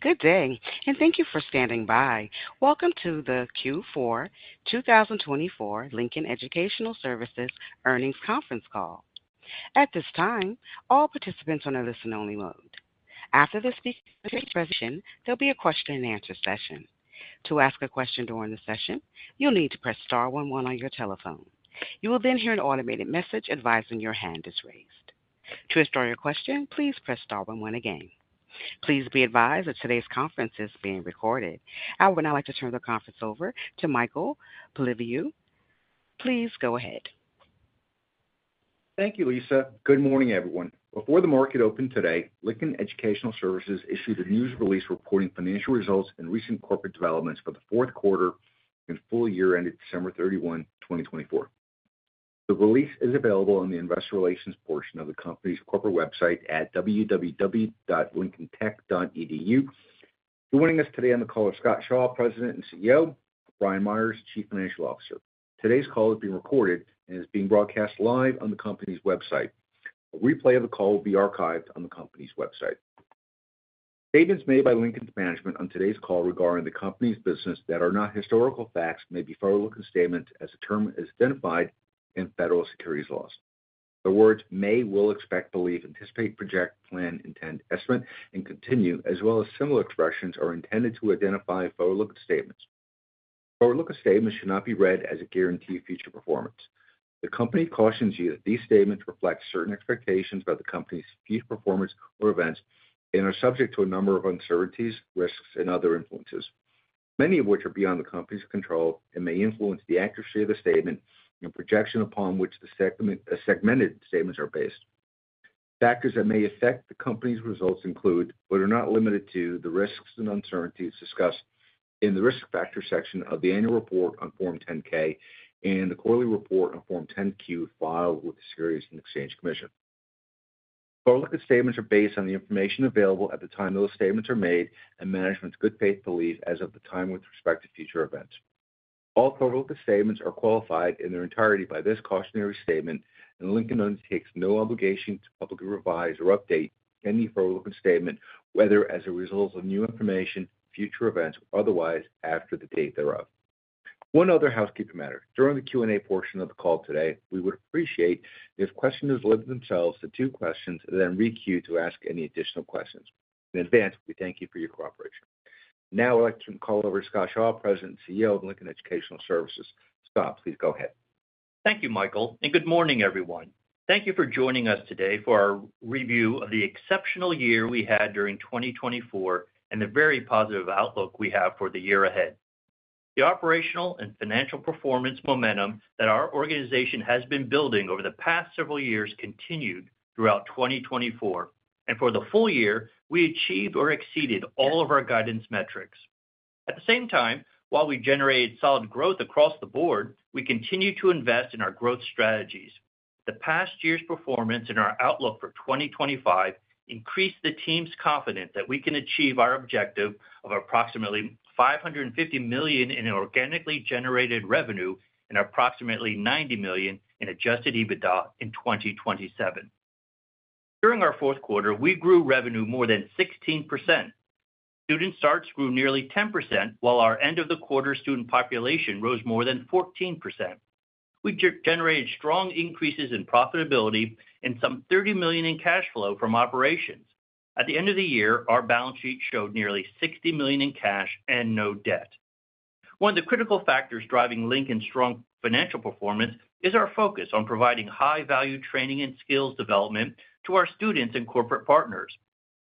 Good day, and thank you for standing by. Welcome to the Q4 2024 Lincoln Educational Services Earnings Conference Call. At this time, all participants are in a listen-only mode. After this speaker takes possession, there'll be a question-and-answer session. To ask a question during the session, you'll need to press star one one on your telephone. You will then hear an automated message advising your hand is raised. To start your question, please press star one one again. Please be advised that today's conference is being recorded. I would now like to turn the conference over to Michael Polyviou. Please go ahead. Thank you, Lisa. Good morning, everyone. Before the market opened today, Lincoln Educational Services issued a news release reporting financial results and recent corporate developments for the fourth quarter and full year ended December 31, 2024. The release is available on the investor relations portion of the company's corporate website at www.lincolntech.edu. Joining us today on the call are Scott Shaw, President and CEO, and Brian Meyers, Chief Financial Officer. Today's call is being recorded and is being broadcast live on the company's website. A replay of the call will be archived on the company's website. Statements made by Lincoln's management on today's call regarding the company's business that are not historical facts may be forward-looking statements as the term is identified in federal securities laws. The words may, will, expect, believe, anticipate, project, plan, intend, estimate, and continue, as well as similar expressions, are intended to identify forward-looking statements. Forward-looking statements should not be read as a guarantee of future performance. The company cautions you that these statements reflect certain expectations about the company's future performance or events and are subject to a number of uncertainties, risks, and other influences, many of which are beyond the company's control and may influence the accuracy of the statement and projection upon which the segmented statements are based. Factors that may affect the company's results include, but are not limited to, the risks and uncertainties discussed in the risk factor section of the annual report on Form 10-K and the quarterly report on Form 10-Q filed with the Securities and Exchange Commission. Forward-looking statements are based on the information available at the time those statements are made and management's good faith belief as of the time with respect to future events. All forward-looking statements are qualified in their entirety by this cautionary statement, and Lincoln undertakes no obligation to publicly revise or update any forward-looking statement, whether as a result of new information, future events, or otherwise after the date thereof. One other housekeeping matter. During the Q&A portion of the call today, we would appreciate it if questions would lend themselves to two questions and then re-queue to ask any additional questions. In advance, we thank you for your cooperation. Now, I'd like to call over Scott Shaw, President and CEO of Lincoln Educational Services. Scott, please go ahead. Thank you, Michael, and good morning, everyone. Thank you for joining us today for our review of the exceptional year we had during 2024 and the very positive outlook we have for the year ahead. The operational and financial performance momentum that our organization has been building over the past several years continued throughout 2024, and for the full year, we achieved or exceeded all of our guidance metrics. At the same time, while we generated solid growth across the board, we continue to invest in our growth strategies. The past year's performance and our outlook for 2025 increased the team's confidence that we can achieve our objective of approximately $550 million in organically generated revenue and approximately $90 million in adjusted EBITDA in 2027. During our fourth quarter, we grew revenue more than 16%. Student starts grew nearly 10%, while our end-of-the-quarter student population rose more than 14%. We generated strong increases in profitability and some $30 million in cash flow from operations. At the end of the year, our balance sheet showed nearly $60 million in cash and no debt. One of the critical factors driving Lincoln's strong financial performance is our focus on providing high-value training and skills development to our students and corporate partners.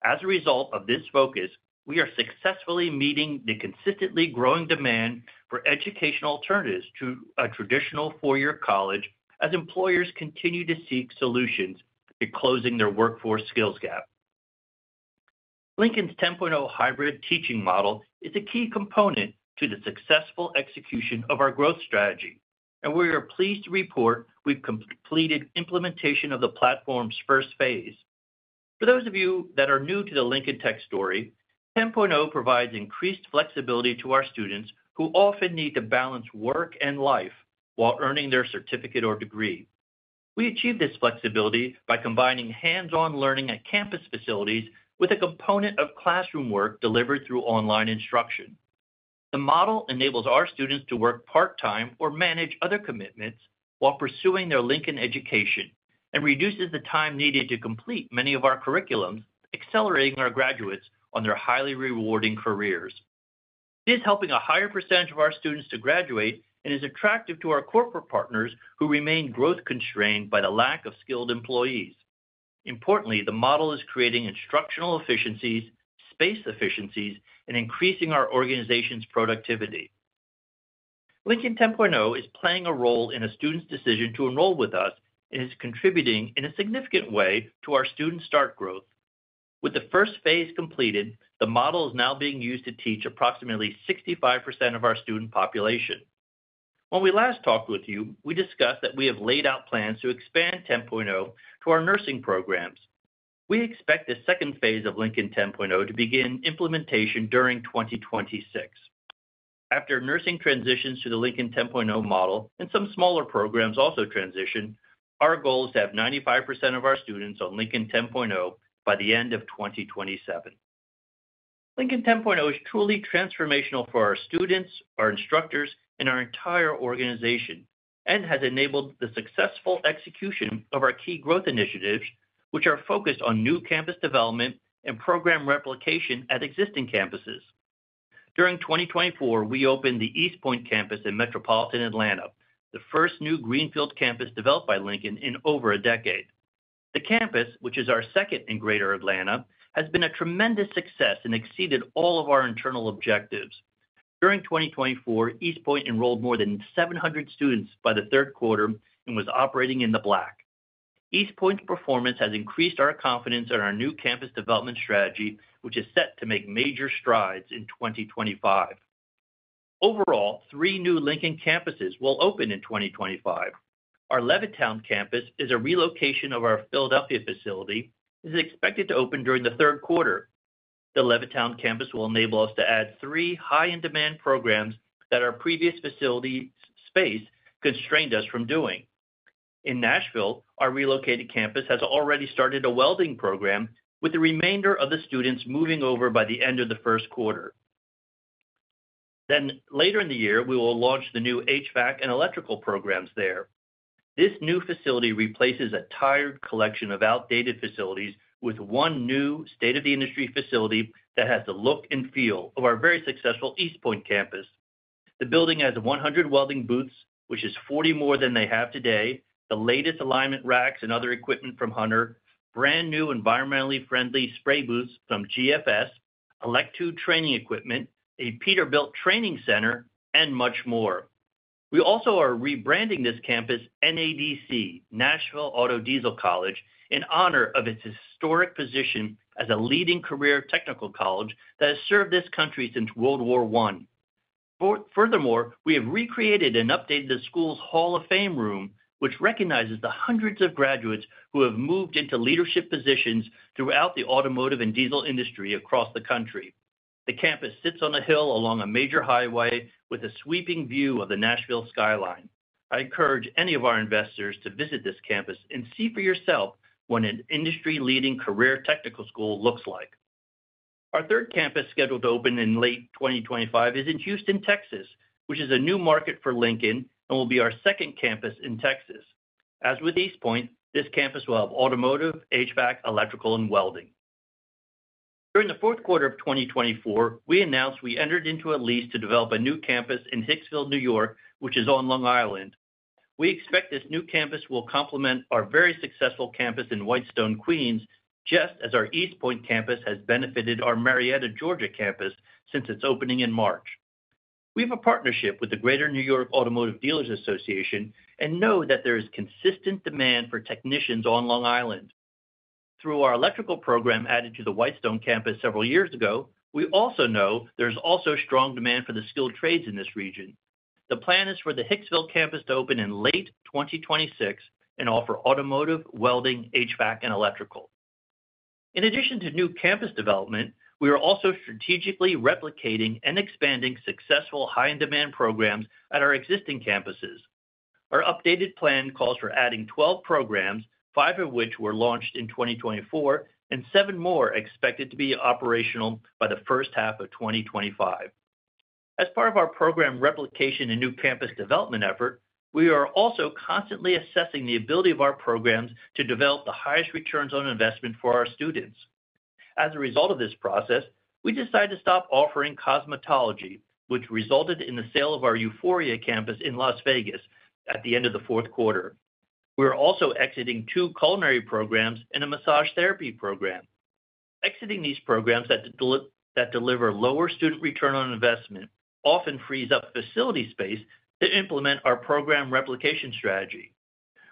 As a result of this focus, we are successfully meeting the consistently growing demand for educational alternatives to a traditional four-year college as employers continue to seek solutions to closing their workforce skills gap. Lincoln's 10.0 hybrid teaching model is a key component to the successful execution of our growth strategy, and we are pleased to report we've completed implementation of the platform's first phase. For those of you that are new to the Lincoln Tech story, 10.0 provides increased flexibility to our students who often need to balance work and life while earning their certificate or degree. We achieved this flexibility by combining hands-on learning at campus facilities with a component of classroom work delivered through online instruction. The model enables our students to work part-time or manage other commitments while pursuing their Lincoln education and reduces the time needed to complete many of our curriculums, accelerating our graduates on their highly rewarding careers. It is helping a higher percentage of our students to graduate and is attractive to our corporate partners who remain growth-constrained by the lack of skilled employees. Importantly, the model is creating instructional efficiencies, space efficiencies, and increasing our organization's productivity. Lincoln 10.0 is playing a role in a student's decision to enroll with us and is contributing in a significant way to our student start growth. With the first phase completed, the model is now being used to teach approximately 65% of our student population. When we last talked with you, we discussed that we have laid out plans to expand 10.0 to our nursing programs. We expect the second phase of Lincoln 10.0 to begin implementation during 2026. After nursing transitions to the Lincoln 10.0 model and some smaller programs also transition, our goal is to have 95% of our students on Lincoln 10.0 by the end of 2027. Lincoln 10.0 is truly transformational for our students, our instructors, and our entire organization and has enabled the successful execution of our key growth initiatives, which are focused on new campus development and program replication at existing campuses. During 2024, we opened the East Point campus in Metropolitan Atlanta, the first new greenfield campus developed by Lincoln in over a decade. The campus, which is our second in greater Atlanta, has been a tremendous success and exceeded all of our internal objectives. During 2024, East Point enrolled more than 700 students by the third quarter and was operating in the black. East Point's performance has increased our confidence in our new campus development strategy, which is set to make major strides in 2025. Overall, three new Lincoln campuses will open in 2025. Our Levittown campus is a relocation of our Philadelphia facility and is expected to open during the third quarter. The Levittown campus will enable us to add three high-in-demand programs that our previous facility space constrained us from doing. In Nashville, our relocated campus has already started a welding program, with the remainder of the students moving over by the end of the first quarter. Then, later in the year, we will launch the new HVAC and electrical programs there. This new facility replaces a tired collection of outdated facilities with one new state-of-the-industry facility that has the look and feel of our very successful East Point campus. The building has 100 welding booths, which is 40 more than they have today, the latest alignment racks and other equipment from Hunter, brand new environmentally friendly spray booths from GFS, Electude training equipment, a Peterbilt training center, and much more. We also are rebranding this campus NADC, Nashville Auto Diesel College, in honor of its historic position as a leading career technical college that has served this country since World War I. Furthermore, we have recreated and updated the school's Hall of Fame room, which recognizes the hundreds of graduates who have moved into leadership positions throughout the automotive and diesel industry across the country. The campus sits on a hill along a major highway with a sweeping view of the Nashville skyline. I encourage any of our investors to visit this campus and see for yourself what an industry-leading career technical school looks like. Our third campus scheduled to open in late 2025 is in Houston, Texas, which is a new market for Lincoln and will be our second campus in Texas. As with East Point, this campus will have automotive, HVAC, electrical, and welding. During the fourth quarter of 2024, we announced we entered into a lease to develop a new campus in Hicksville, New York, which is on Long Island. We expect this new campus will complement our very successful campus in Whitestone, Queens, just as our East Point campus has benefited our Marietta, Georgia, campus since its opening in March. We have a partnership with the Greater New York Automobile Dealers Association and know that there is consistent demand for technicians on Long Island. Through our electrical program added to the Whitestone campus several years ago, we also know there is strong demand for the skilled trades in this region. The plan is for the Hicksville campus to open in late 2026 and offer automotive, welding, HVAC, and electrical. In addition to new campus development, we are also strategically replicating and expanding successful high-in-demand programs at our existing campuses. Our updated plan calls for adding 12 programs, five of which were launched in 2024, and seven more expected to be operational by the first half of 2025. As part of our program replication and new campus development effort, we are also constantly assessing the ability of our programs to develop the highest returns on investment for our students. As a result of this process, we decided to stop offering cosmetology, which resulted in the sale of our Euphoria campus in Las Vegas at the end of the fourth quarter. We are also exiting two culinary programs and a massage therapy program. Exiting these programs that deliver lower student return on investment often frees up facility space to implement our program replication strategy.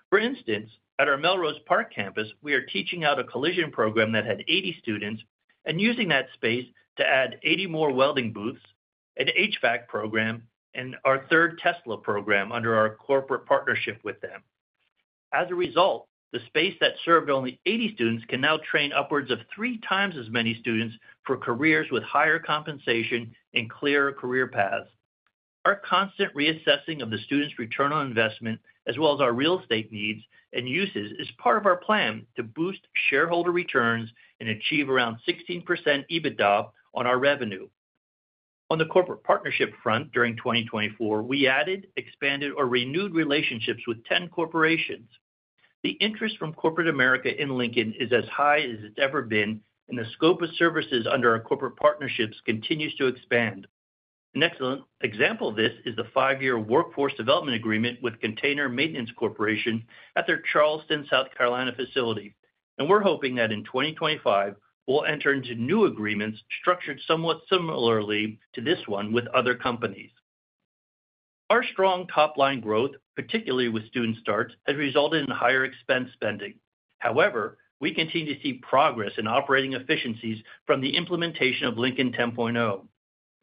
For instance, at our Melrose Park campus, we are teaching out a collision program that had 80 students and using that space to add 80 more welding booths, an HVAC program, and our third Tesla program under our corporate partnership with them. As a result, the space that served only 80 students can now train upwards of three times as many students for careers with higher compensation and clearer career paths. Our constant reassessing of the students' return on investment, as well as our real estate needs and uses, is part of our plan to boost shareholder returns and achieve around 16% EBITDA on our revenue. On the corporate partnership front, during 2024, we added, expanded, or renewed relationships with 10 corporations. The interest from corporate America in Lincoln is as high as it's ever been, and the scope of services under our corporate partnerships continues to expand. An excellent example of this is the five-year workforce development agreement with Container Maintenance Corporation at their Charleston, South Carolina, facility. And we're hoping that in 2025, we'll enter into new agreements structured somewhat similarly to this one with other companies. Our strong top-line growth, particularly with student starts, has resulted in higher expense spending. However, we continue to see progress in operating efficiencies from the implementation of Lincoln 10.0.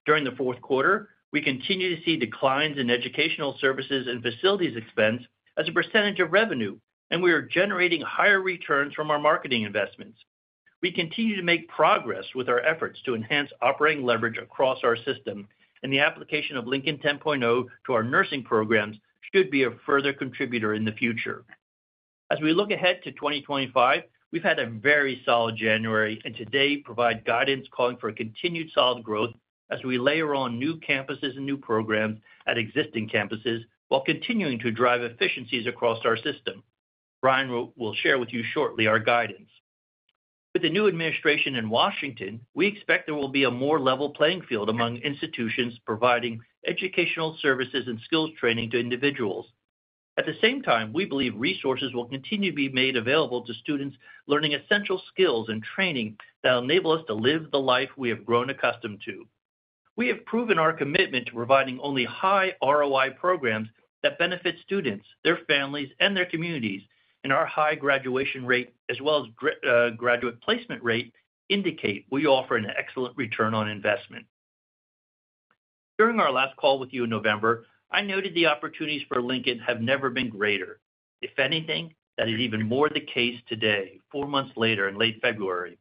During the fourth quarter, we continue to see declines in educational services and facilities expense as a percentage of revenue, and we are generating higher returns from our marketing investments. We continue to make progress with our efforts to enhance operating leverage across our system, and the application of Lincoln 10.0 to our nursing programs should be a further contributor in the future. As we look ahead to 2025, we've had a very solid January and today provide guidance calling for continued solid growth as we layer on new campuses and new programs at existing campuses while continuing to drive efficiencies across our system. Brian will share with you shortly our guidance. With the new administration in Washington, we expect there will be a more level playing field among institutions providing educational services and skills training to individuals. At the same time, we believe resources will continue to be made available to students learning essential skills and training that will enable us to live the life we have grown accustomed to. We have proven our commitment to providing only high ROI programs that benefit students, their families, and their communities, and our high graduation rate, as well as graduate placement rate, indicate we offer an excellent return on investment. During our last call with you in November, I noted the opportunities for Lincoln have never been greater. If anything, that is even more the case today, four months later in late February.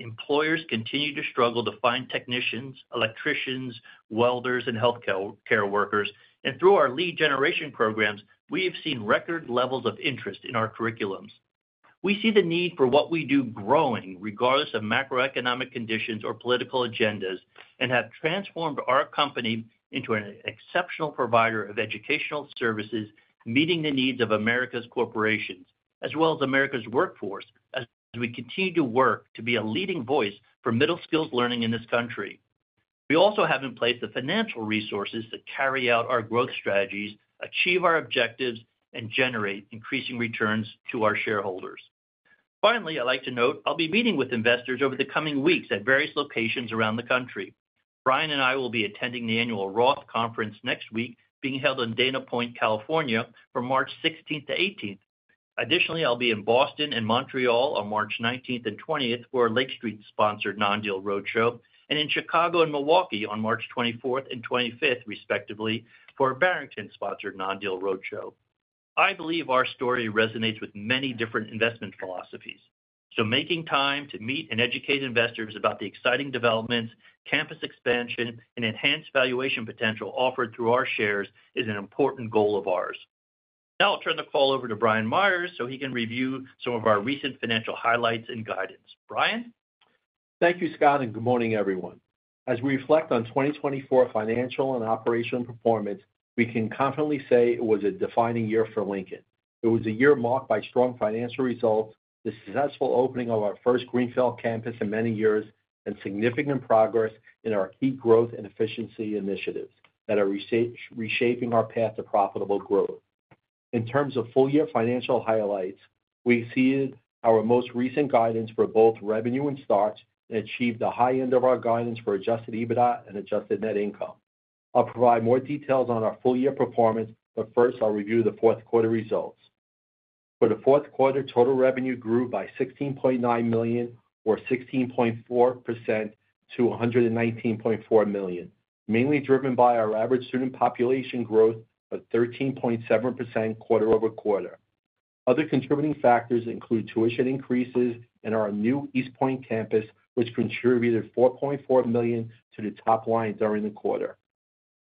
Employers continue to struggle to find technicians, electricians, welders, and healthcare workers, and through our lead generation programs, we have seen record levels of interest in our curriculums. We see the need for what we do growing regardless of macroeconomic conditions or political agendas and have transformed our company into an exceptional provider of educational services meeting the needs of America's corporations, as well as America's workforce, as we continue to work to be a leading voice for middle-skill learning in this country. We also have in place the financial resources to carry out our growth strategies, achieve our objectives, and generate increasing returns to our shareholders. Finally, I'd like to note I'll be meeting with investors over the coming weeks at various locations around the country. Brian and I will be attending the annual Roth Conference next week, being held in Dana Point, California, from March 16th to 18th. Additionally, I'll be in Boston and Montreal on March 19th and 20th for a Lake Street-sponsored non-deal roadshow, and in Chicago and Milwaukee on March 24th and 25th, respectively, for a Barrington-sponsored non-deal roadshow. I believe our story resonates with many different investment philosophies, so making time to meet and educate investors about the exciting developments, campus expansion, and enhanced valuation potential offered through our shares is an important goal of ours. Now I'll turn the call over to Brian Meyers so he can review some of our recent financial highlights and guidance. Brian? Thank you, Scott, and good morning, everyone. As we reflect on 2024 financial and operational performance, we can confidently say it was a defining year for Lincoln. It was a year marked by strong financial results, the successful opening of our first greenfield campus in many years, and significant progress in our key growth and efficiency initiatives that are reshaping our path to profitable growth. In terms of full-year financial highlights, we exceeded our most recent guidance for both revenue and starts and achieved the high end of our guidance for adjusted EBITDA and adjusted net Income. I'll provide more details on our full-year performance, but first I'll review the fourth quarter results. For the fourth quarter, total revenue grew by $16.9 million, or 16.4%, to $119.4 million, mainly driven by our average student population growth of 13.7% quarter-over-quarter. Other contributing factors include tuition increases and our new East Point campus, which contributed $4.4 million to the top line during the quarter.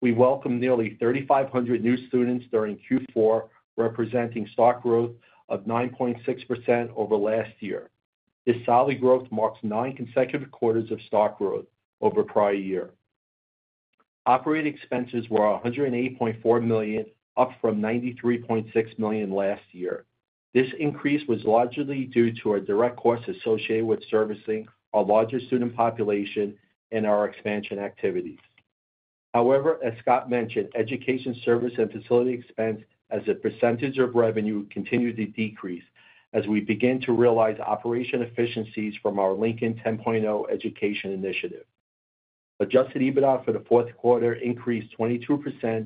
We welcomed nearly 3,500 new students during Q4, representing start growth of 9.6% over last year. This solid growth marks nine consecutive quarters of start growth over a prior year. Operating expenses were $108.4 million, up from $93.6 million last year. This increase was largely due to our direct costs associated with servicing our larger student population and our expansion activities. However, as Scott mentioned, educational services and facilities expense as a percentage of revenue continued to decrease as we began to realize operational efficiencies from our Lincoln 10.0 education initiative. Adjusted EBITDA for the fourth quarter increased 22%,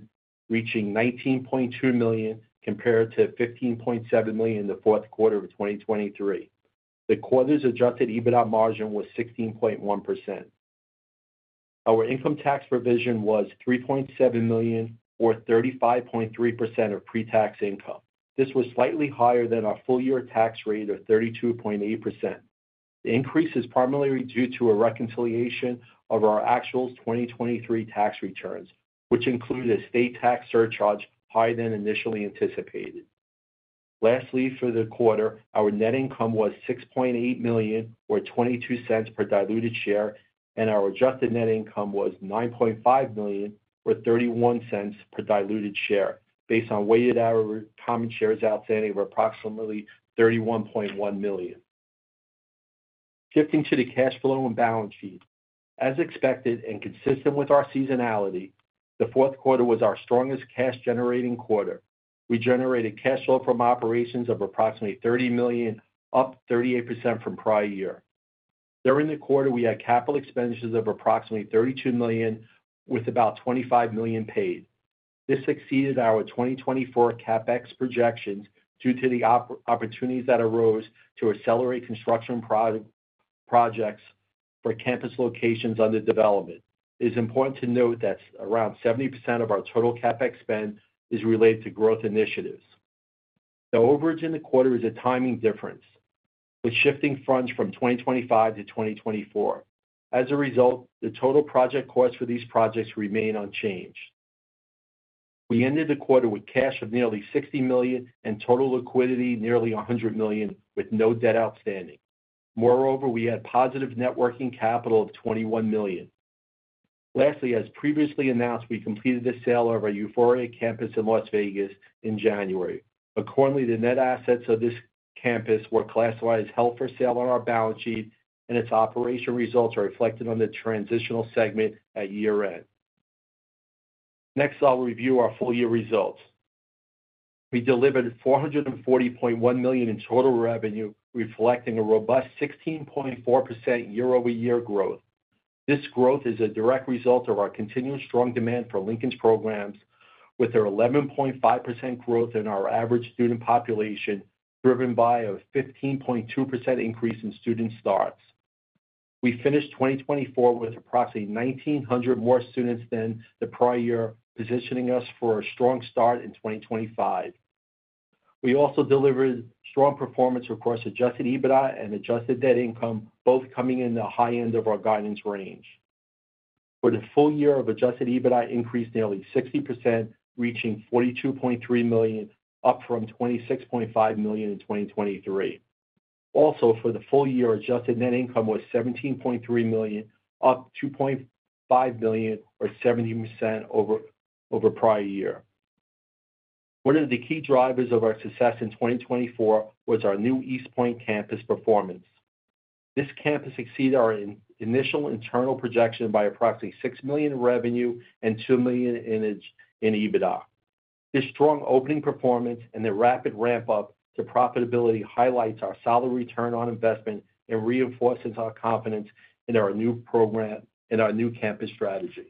reaching $19.2 million compared to $15.7 million in the fourth quarter of 2023. The quarter's adjusted EBITDA margin was 16.1%. Our income tax provision was $3.7 million, or 35.3% of pre-tax income. This was slightly higher than our full-year tax rate of 32.8%. The increase is primarily due to a reconciliation of our actual 2023 tax returns, which included a state tax surcharge higher than initially anticipated. Lastly, for the quarter, our net income was $6.8 million, or $0.22 per diluted share, and our adjusted net income was $9.5 million, or $0.31 per diluted share, based on weighted average common shares outstanding of approximately 31.1 million. Shifting to the cash flow and balance sheet. As expected and consistent with our seasonality, the fourth quarter was our strongest cash-generating quarter. We generated cash flow from operations of approximately $30 million, up 38% from prior year. During the quarter, we had capital expenditures of approximately $32 million, with about $25 million paid. This exceeded our 2024 CapEx projections due to the opportunities that arose to accelerate construction projects for campus locations under development. It is important to note that around 70% of our total CapEx spend is related to growth initiatives. The overage in the quarter is a timing difference, with shifting funds from 2025 to 2024. As a result, the total project costs for these projects remain unchanged. We ended the quarter with cash of nearly $60 million and total liquidity nearly $100 million, with no debt outstanding. Moreover, we had positive working capital of $21 million. Lastly, as previously announced, we completed the sale of our Euphoria campus in Las Vegas in January. Accordingly, the net assets of this campus were classified as held for sale on our balance sheet, and its operating results are reflected on the transitional segment at year-end. Next, I'll review our full-year results. We delivered $440.1 million in total revenue, reflecting a robust 16.4% year-over-year growth. This growth is a direct result of our continued strong demand for Lincoln's programs, with our 11.5% growth in our average student population driven by a 15.2% increase in student starts. We finished 2024 with approximately 1,900 more students than the prior year, positioning us for a strong start in 2025. We also delivered strong performance across adjusted EBITDA and adjusted net income, both coming in the high end of our guidance range. For the full year, adjusted EBITDA increased nearly 60%, reaching $42.3 million, up from $26.5 million in 2023. Also, for the full year, adjusted net income was $17.3 million, up $2.5 million, or 70% over prior year. One of the key drivers of our success in 2024 was our new East Point campus performance. This campus exceeded our initial internal projection by approximately $6 million in revenue and $2 million in EBITDA. This strong opening performance and the rapid ramp-up to profitability highlights our solid return on investment and reinforces our confidence in our new program and our new campus strategy.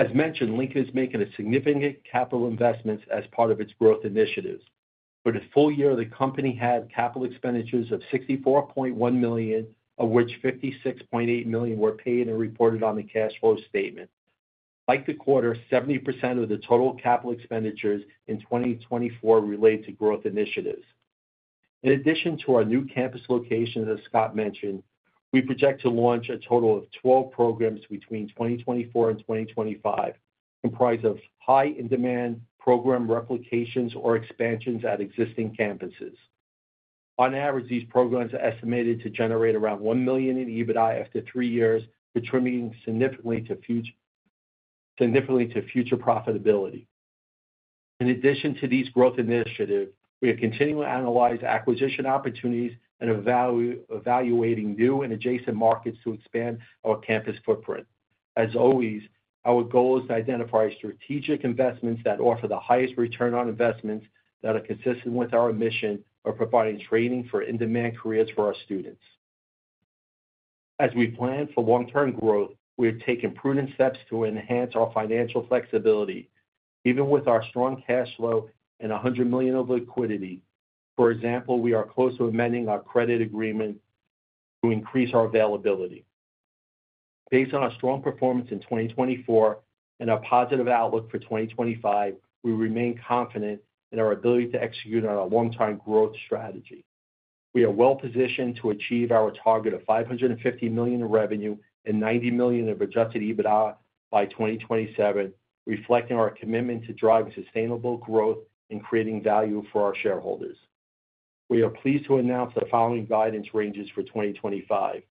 As mentioned, Lincoln is making a significant capital investment as part of its growth initiatives. For the full year, the company had capital expenditures of $64.1 million, of which $56.8 million were paid and reported on the cash flow statement. Like the quarter, 70% of the total capital expenditures in 2024 related to growth initiatives. In addition to our new campus locations, as Scott mentioned, we project to launch a total of 12 programs between 2024 and 2025, comprised of high-in-demand program replications or expansions at existing campuses. On average, these programs are estimated to generate around $1 million in EBITDA after three years, contributing significantly to future profitability. In addition to these growth initiatives, we are continuing to analyze acquisition opportunities and evaluating new and adjacent markets to expand our campus footprint. As always, our goal is to identify strategic investments that offer the highest return on investments that are consistent with our mission of providing training for in-demand careers for our students. As we plan for long-term growth, we are taking prudent steps to enhance our financial flexibility. Even with our strong cash flow and $100 million of liquidity, for example, we are close to amending our credit agreement to increase our availability. Based on our strong performance in 2024 and our positive outlook for 2025, we remain confident in our ability to execute on our long-term growth strategy. We are well-positioned to achieve our target of $550 million in revenue and $90 million of adjusted EBITDA by 2027, reflecting our commitment to driving sustainable growth and creating value for our shareholders. We are pleased to announce the following guidance ranges for 2025: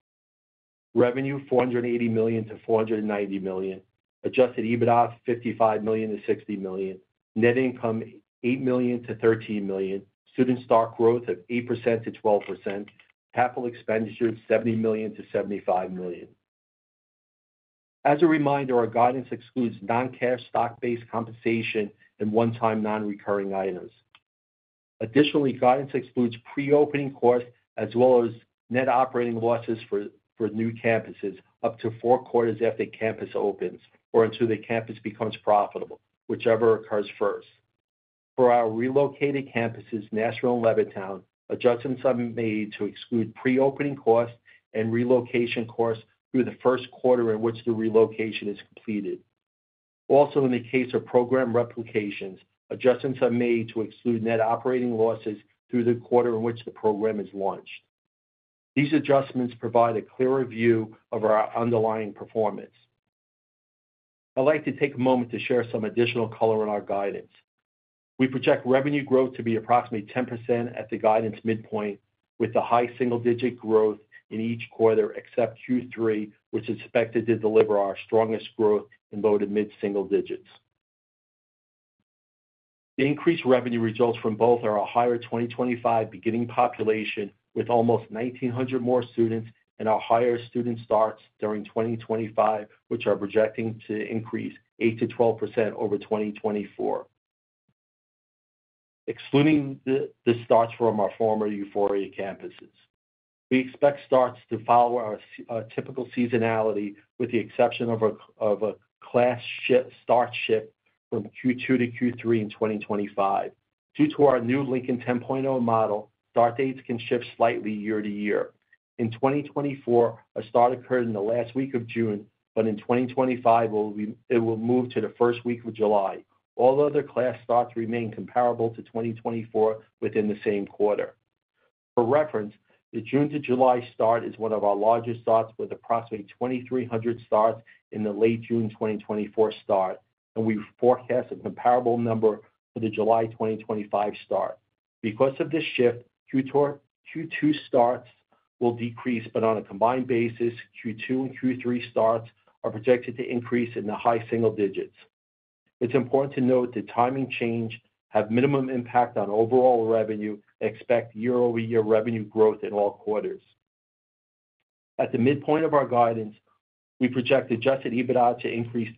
revenue $480 million-$490 million, adjusted EBITDA $55 million-$60 million, net income $8 million-$13 million, student start growth of 8%-12%, capital expenditures $70 million-$75 million. As a reminder, our guidance excludes non-cash stock-based compensation and one-time non-recurring items. Additionally, guidance excludes pre-opening costs as well as net operating losses for new campuses up to four quarters after the campus opens or until the campus becomes profitable, whichever occurs first. For our relocated campuses, Nashville and Levittown, adjustments have been made to exclude pre-opening costs and relocation costs through the first quarter in which the relocation is completed. Also, in the case of program replications, adjustments have been made to exclude net operating losses through the quarter in which the program is launched. These adjustments provide a clearer view of our underlying performance. I'd like to take a moment to share some additional color on our guidance. We project revenue growth to be approximately 10% at the guidance midpoint, with the high single-digit growth in each quarter except Q3, which is expected to deliver our strongest growth in both mid-single digits. The increased revenue results from both a higher 2025 beginning population with almost 1,900 more students and a higher student starts during 2025, which are projecting to increase 8%-12% over 2024. Excluding the starts from our former Euphoria campuses, we expect starts to follow our typical seasonality, with the exception of a class start shift from Q2 to Q3 in 2025. Due to our new Lincoln 10.0 model, start dates can shift slightly year-to-year. In 2024, a start occurred in the last week of June, but in 2025, it will move to the first week of July. All other class starts remain comparable to 2024 within the same quarter. For reference, the June to July start is one of our largest starts, with approximately 2,300 starts in the late June 2024 start, and we forecast a comparable number for the July 2025 start. Because of this shift, Q2 starts will decrease, but on a combined basis, Q2 and Q3 starts are projected to increase in the high single digits. It's important to note the timing change has minimum impact on overall revenue. Expect year-over-year revenue growth in all quarters. At the midpoint of our guidance, we project adjusted EBITDA to increase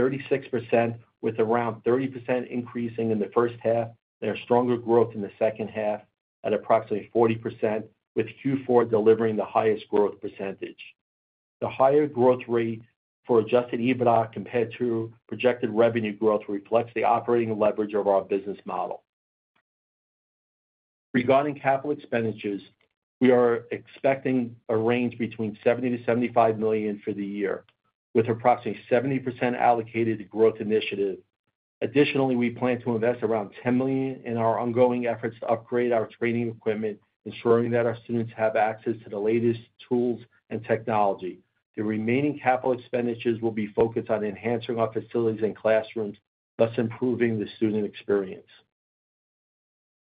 36%, with around 30% increasing in the first half and a stronger growth in the second half at approximately 40%, with Q4 delivering the highest growth percentage. The higher growth rate for adjusted EBITDA compared to projected revenue growth reflects the operating leverage of our business model. Regarding capital expenditures, we are expecting a range between $70 million-$75 million for the year, with approximately 70% allocated to growth initiatives. Additionally, we plan to invest around $10 million in our ongoing efforts to upgrade our training equipment, ensuring that our students have access to the latest tools and technology. The remaining capital expenditures will be focused on enhancing our facilities and classrooms, thus improving the student experience.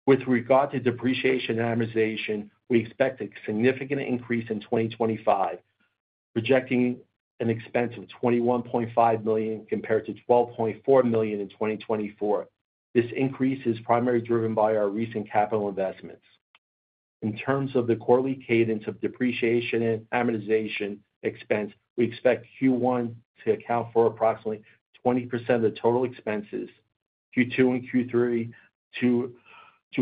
With regard to depreciation and amortization, we expect a significant increase in 2025, projecting an expense of $21.5 million compared to $12.4 million in 2024. This increase is primarily driven by our recent capital investments. In terms of the quarterly cadence of depreciation and amortization expense, we expect Q1 to account for approximately 20% of the total expenses. Q2 and Q3 to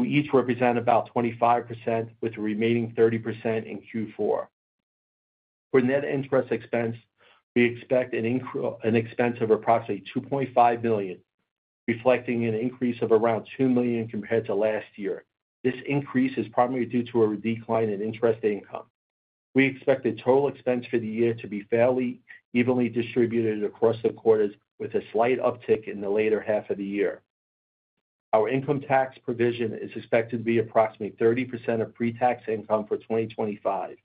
each represent about 25%, with the remaining 30% in Q4. For net interest expense, we expect an expense of approximately $2.5 million, reflecting an increase of around $2 million compared to last year. This increase is primarily due to a decline in interest income. We expect the total expense for the year to be fairly evenly distributed across the quarters, with a slight uptick in the later half of the year. Our income tax provision is expected to be approximately 30% of pre-tax income for 2025.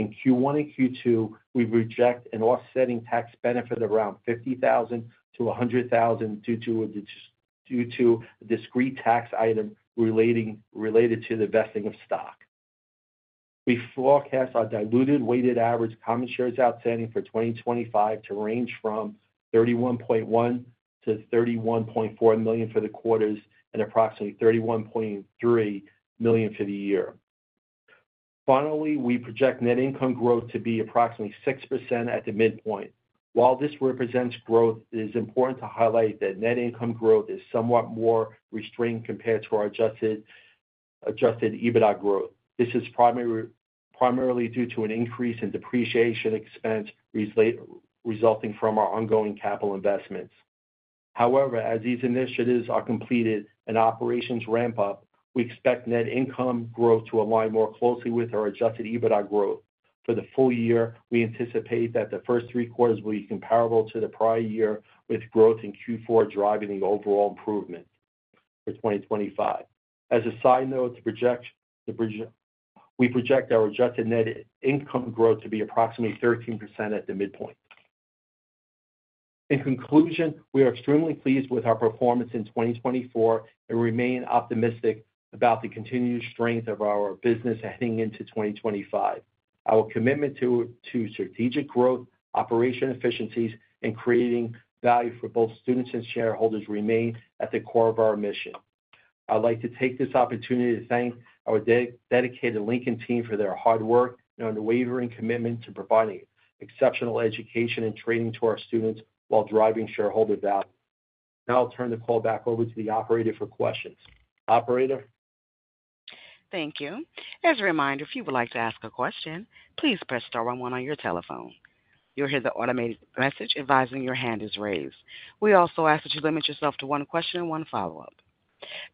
In Q1 and Q2, we project an offsetting tax benefit of around $50,000-$100,000 due to a discrete tax item related to the vesting of stock. We forecast our diluted weighted average common shares outstanding for 2025 to range from 31.1-31.4 million for the quarters and approximately 31.3 million for the year. Finally, we project net income growth to be approximately 6% at the midpoint. While this represents growth, it is important to highlight that net income growth is somewhat more restrained compared to our adjusted EBITDA growth. This is primarily due to an increase in depreciation expense resulting from our ongoing capital investments. However, as these initiatives are completed and operations ramp up, we expect net income growth to align more closely with our adjusted EBITDA growth. For the full year, we anticipate that the first three quarters will be comparable to the prior year, with growth in Q4 driving the overall improvement for 2025. As a side note, we project our adjusted net income growth to be approximately 13% at the midpoint. In conclusion, we are extremely pleased with our performance in 2024 and remain optimistic about the continued strength of our business heading into 2025. Our commitment to strategic growth, operational efficiencies, and creating value for both students and shareholders remain at the core of our mission. I'd like to take this opportunity to thank our dedicated Lincoln team for their hard work and unwavering commitment to providing exceptional education and training to our students while driving shareholder value. Now I'll turn the call back over to the operator for questions. Operator. Thank you. As a reminder, if you would like to ask a question, please press star one one on your telephone. You'll hear the automated message advising your hand is raised. We also ask that you limit yourself to one question and one follow-up.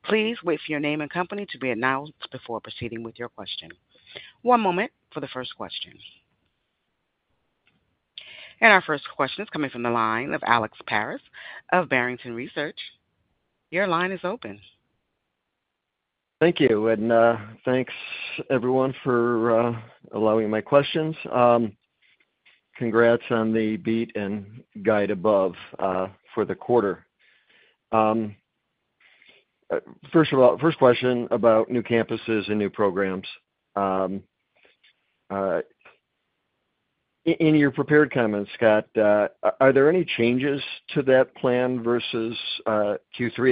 Please wait for your name and company to be announced before proceeding with your question. One moment for the first question. Our first question is coming from the line of Alex Paris of Barrington Research. Your line is open. Thank you. And thanks, everyone, for allowing my questions. Congrats on the beat and guide above for the quarter. First of all, first question about new campuses and new programs. In your prepared comments, Scott, are there any changes to that plan versus Q3?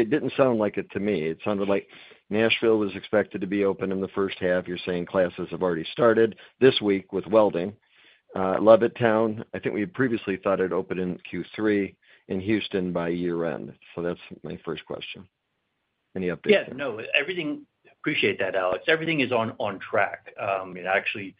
It didn't sound like it to me. It sounded like Nashville was expected to be open in the first half. You're saying classes have already started this week with welding. Levittown, I think we had previously thought it opened in Q3 in Houston by year-end. So that's my first question. Any updates? Yeah. No. Appreciate that, Alex. Everything is on track. Actually,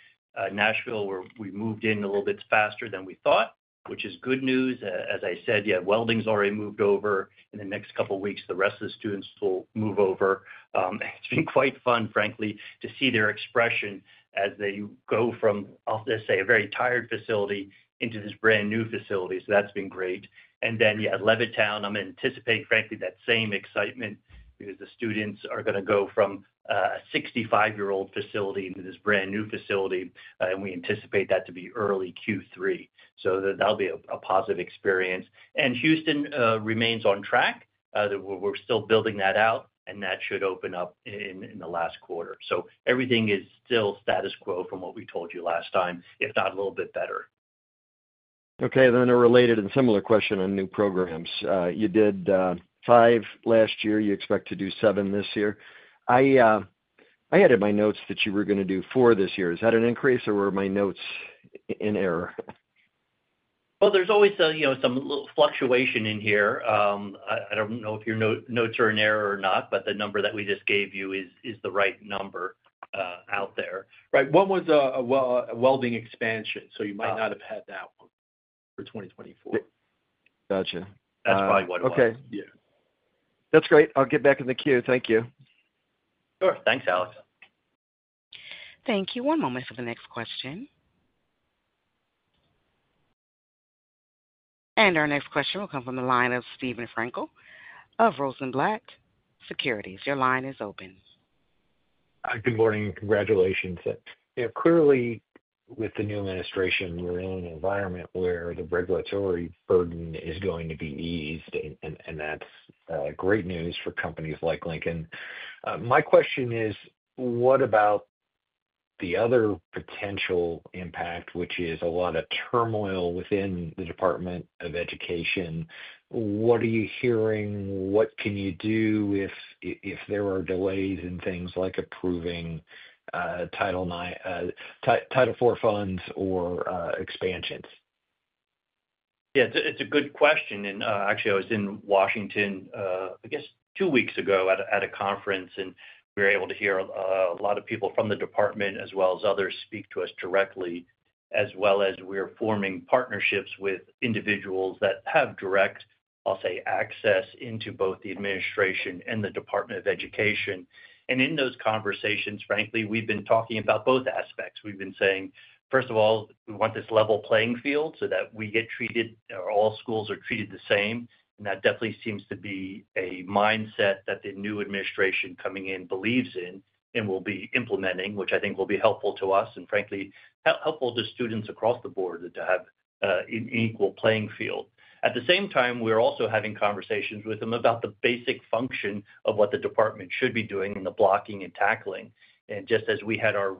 Nashville, we moved in a little bit faster than we thought, which is good news. As I said, welding's already moved over. In the next couple of weeks, the rest of the students will move over. It's been quite fun, frankly, to see their expression as they go from, I'll just say, a very tired facility into this brand new facility. So that's been great. And then, yeah, Levittown, I'm anticipating, frankly, that same excitement because the students are going to go from a 65-year-old facility into this brand new facility. And we anticipate that to be early Q3. So that'll be a positive experience. And Houston remains on track. We're still building that out, and that should open up in the last quarter. So everything is still status quo from what we told you last time, if not a little bit better. Okay. Then a related and similar question on new programs. You did five last year. You expect to do seven this year. I had in my notes that you were going to do four this year. Is that an increase, or were my notes in error? Well, there's always some fluctuation in here. I don't know if your notes are in error or not, but the number that we just gave you is the right number out there. Right. One was a welding expansion, so you might not have had that one for 2024. Gotcha. That's probably what it was. Yeah. That's great. I'll get back in the queue. Thank you. Sure. Thanks, Alex. Thank you. One moment for the next question, and our next question will come from the line of Steven Frankel of Rosenblatt Securities. Your line is open. Good morning. Congratulations. Clearly, with the new administration, we're in an environment where the regulatory burden is going to be eased, and that's great news for companies like Lincoln. My question is, what about the other potential impact, which is a lot of turmoil within the Department of Education? What are you hearing? What can you do if there are delays in things like approving Title IV funds or expansions? Yeah. It's a good question. Actually, I was in Washington, I guess, two weeks ago at a conference, and we were able to hear a lot of people from the department as well as others speak to us directly, as well as we're forming partnerships with individuals that have direct, I'll say, access into both the administration and the Department of Education. In those conversations, frankly, we've been talking about both aspects. We've been saying, first of all, we want this level playing field so that we get treated or all schools are treated the same. That definitely seems to be a mindset that the new administration coming in believes in and will be implementing, which I think will be helpful to us and, frankly, helpful to students across the board to have an equal playing field. At the same time, we're also having conversations with them about the basic function of what the department should be doing in the blocking and tackling. And just as we had our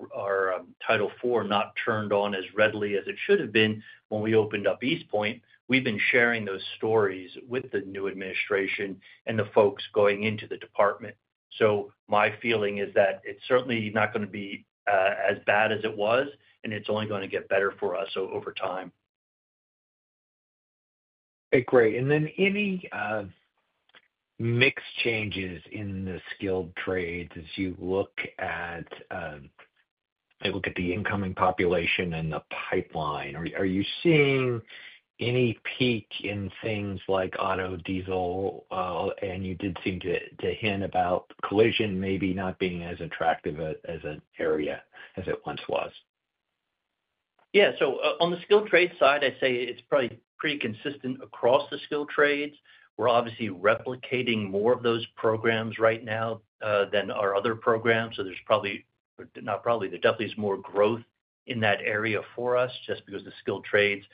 Title IV not turned on as readily as it should have been when we opened up East Point, we've been sharing those stories with the new administration and the folks going into the department. So my feeling is that it's certainly not going to be as bad as it was, and it's only going to get better for us over time. Okay. Great. And then any mixed changes in the skilled trades as you look at the incoming population and the pipeline? Are you seeing any peak in things like auto, diesel? And you did seem to hint about collision maybe not being as attractive as an area as it once was. Yeah. On the skilled trades side, I'd say it's probably pretty consistent across the skilled trades. We're obviously replicating more of those programs right now than our other program. There's probably not, there definitely is more growth in that area for us just because the skilled trades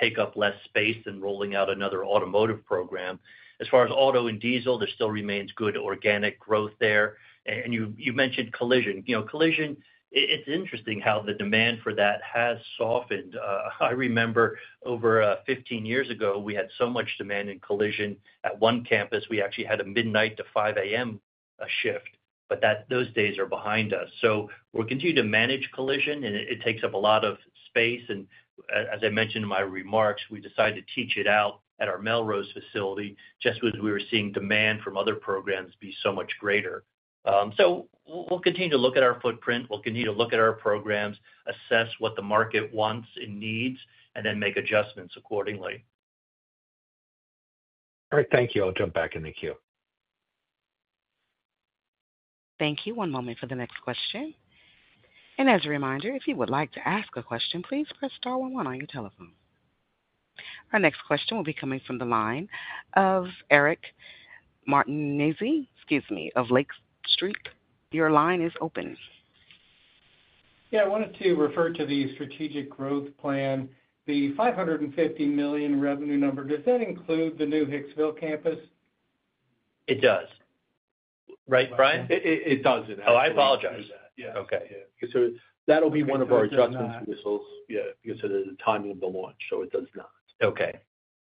take up less space than rolling out another automotive program. As far as auto and diesel, there still remains good organic growth there. And you mentioned collision. Collision, it's interesting how the demand for that has softened. I remember over 15 years ago, we had so much demand in collision at one campus. We actually had a midnight to 5:00 A.M. shift, but those days are behind us. We'll continue to manage collision, and it takes up a lot of space. As I mentioned in my remarks, we decided to teach it out at our Melrose facility just because we were seeing demand from other programs be so much greater. So we'll continue to look at our footprint. We'll continue to look at our programs, assess what the market wants and needs, and then make adjustments accordingly. All right. Thank you. I'll jump back in the queue. Thank you. One moment for the next question. As a reminder, if you would like to ask a question, please press star one one on your telephone. Our next question will be coming from the line of Eric Martinuzzi. Excuse me, of Lake Street. Your line is open. Yeah. I wanted to refer to the strategic growth plan. The $550 million revenue number, does that include the new Hicksville campus? It does. Right, Brian? It doesn't. Oh, I apologize. Yeah. Okay. So that'll be one of our adjustments. Yeah. Because of the timing of the launch, so it does not. Okay.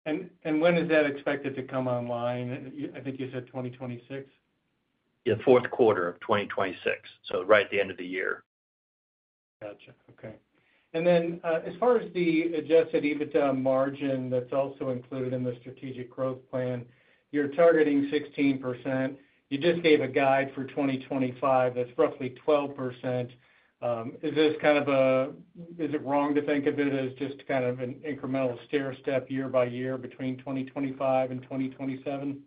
And when is that expected to come online? I think you said 2026? Yeah. Fourth quarter of 2026. So right at the end of the year. Gotcha. Okay. And then as far as the adjusted EBITDA margin that's also included in the strategic growth plan, you're targeting 16%. You just gave a guide for 2025. That's roughly 12%. Is this kind of a, is it wrong to think of it as just kind of an incremental stairstep year-by-year between 2025 and 2027?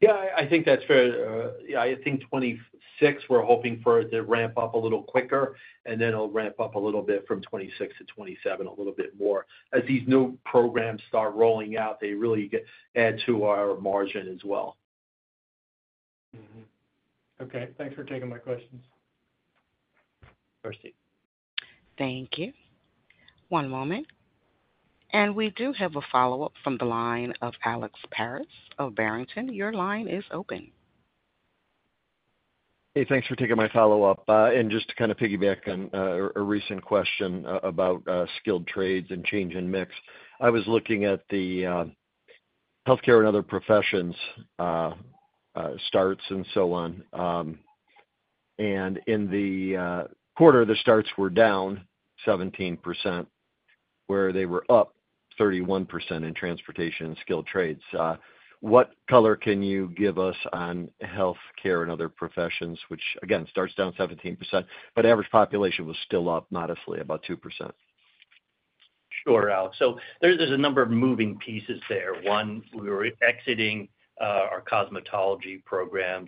Yeah. I think that's fair. Yeah. I think 2026, we're hoping for it to ramp up a little quicker, and then it'll ramp up a little bit from 2026 to 2027 a little bit more. As these new programs start rolling out, they really add to our margin as well. Okay. Thanks for taking my questions. Thank you. One moment. And we do have a follow-up from the line of Alex Paris of Barrington. Your line is open. Hey, thanks for taking my follow-up. And just to kind of piggyback on a recent question about skilled trades and change in mix, I was looking at the healthcare and other professions starts and so on. And in the quarter, the starts were down 17%, where they were up 31% in transportation and skilled trades. What color can you give us on healthcare and other professions, which, again, starts down 17%, but average population was still up modestly about 2%? Sure, Alex. So there's a number of moving pieces there. One, we were exiting our cosmetology program.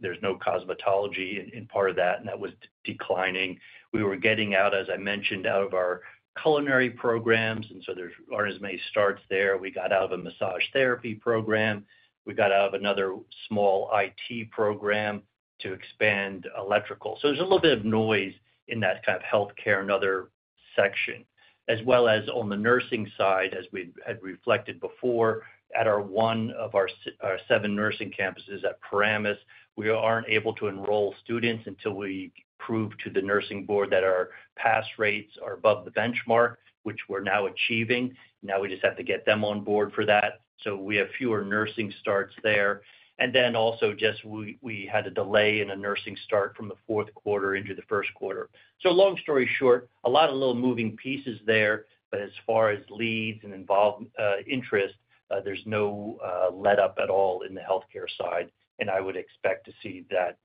There's no cosmetology in part of that, and that was declining. We were getting out, as I mentioned, out of our culinary programs, and so there aren't as many starts there. We got out of a massage therapy program. We got out of another small IT program to expand electrical. So there's a little bit of noise in that kind of healthcare and other section. As well as on the nursing side, as we had reflected before, at one of our seven nursing campuses at Paramus, we aren't able to enroll students until we prove to the nursing board that our pass rates are above the benchmark, which we're now achieving. Now we just have to get them on board for that. So we have fewer nursing starts there. And then also just we had a delay in a nursing start from the fourth quarter into the first quarter. So long story short, a lot of little moving pieces there, but as far as leads and interest, there's no let-up at all in the healthcare side. And I would expect to see that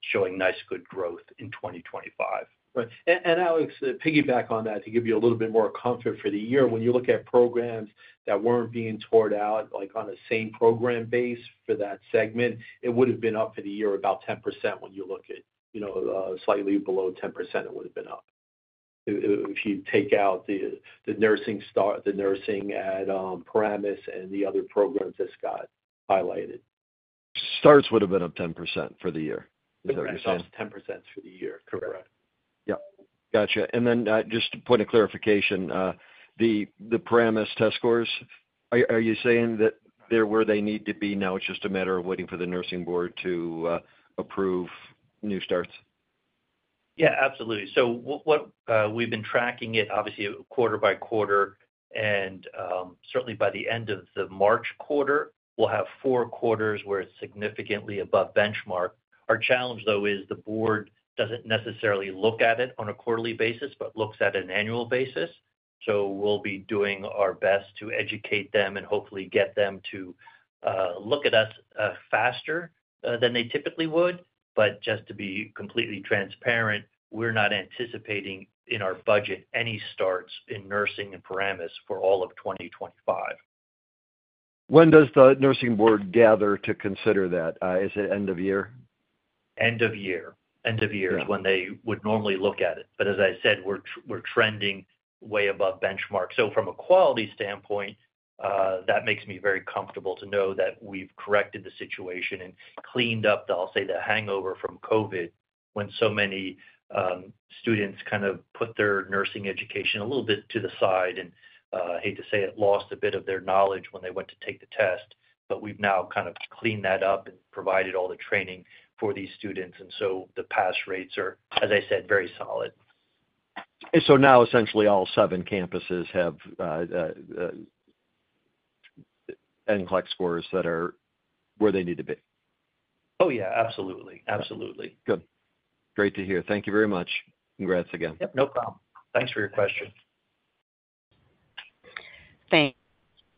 showing nice good growth in 2025. Right. And Alex, piggyback on that to give you a little bit more comfort for the year, when you look at programs that weren't being tore out on a same program base for that segment, it would have been up for the year about 10%. When you look at slightly below 10%, it would have been up if you take out the nursing at Paramus and the other programs that Scott highlighted. Starts would have been up 10% for the year. Is that what you're saying? Starts up 10% for the year. Correct. Yep. Gotcha. And then, just to point of clarification, the Paramus test scores, are you saying that they're where they need to be now? It's just a matter of waiting for the nursing board to approve new starts? Yeah. Absolutely. So we've been tracking it, obviously, quarter by quarter. And certainly by the end of the March quarter, we'll have four quarters where it's significantly above benchmark. Our challenge, though, is the board doesn't necessarily look at it on a quarterly basis, but looks at it on an annual basis. So we'll be doing our best to educate them and hopefully get them to look at us faster than they typically would. But just to be completely transparent, we're not anticipating in our budget any starts in nursing and Paramus for all of 2025. When does the nursing board gather to consider that? Is it end of year? End of year. End of year is when they would normally look at it. But as I said, we're trending way above benchmark. So from a quality standpoint, that makes me very comfortable to know that we've corrected the situation and cleaned up, I'll say, the hangover from COVID when so many students kind of put their nursing education a little bit to the side and, I hate to say it, lost a bit of their knowledge when they went to take the test. But we've now kind of cleaned that up and provided all the training for these students. And so the pass rates are, as I said, very solid. And so now essentially all seven campuses have NCLEX scores that are where they need to be. Oh, yeah. Absolutely. Absolutely. Good. Great to hear. Thank you very much. Congrats again. Yep. No problem. Thanks for your question. Thanks.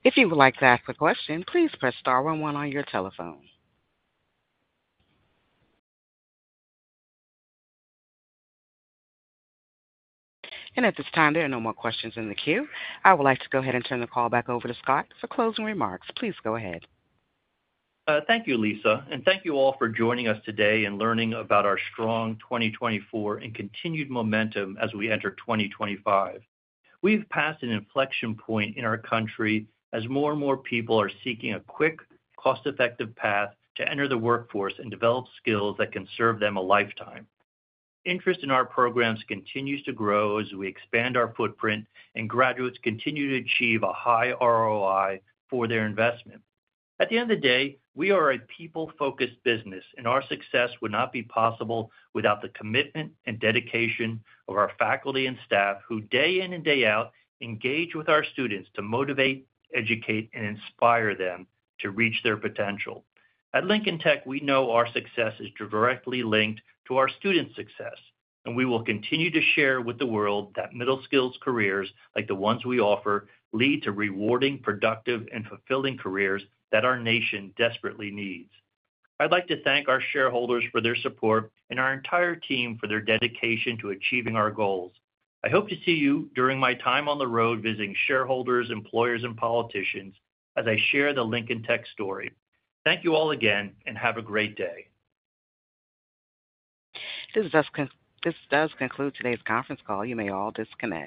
If you would like to ask a question, please press star one one on your telephone. And at this time, there are no more questions in the queue. I would like to go ahead and turn the call back over to Scott for closing remarks. Please go ahead. Thank you, Lisa. And thank you all for joining us today and learning about our strong 2024 and continued momentum as we enter 2025. We've passed an inflection point in our country as more and more people are seeking a quick, cost-effective path to enter the workforce and develop skills that can serve them a lifetime. Interest in our programs continues to grow as we expand our footprint, and graduates continue to achieve a high ROI for their investment. At the end of the day, we are a people-focused business, and our success would not be possible without the commitment and dedication of our faculty and staff who day in and day out engage with our students to motivate, educate, and inspire them to reach their potential. At Lincoln Tech, we know our success is directly linked to our student success, and we will continue to share with the world that middle-skilled careers like the ones we offer lead to rewarding, productive, and fulfilling careers that our nation desperately needs. I'd like to thank our shareholders for their support and our entire team for their dedication to achieving our goals. I hope to see you during my time on the road visiting shareholders, employers, and politicians as I share the Lincoln Tech story. Thank you all again, and have a great day. This does conclude today's conference call. You may all disconnect.